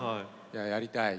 「やりたい」。